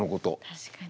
確かに。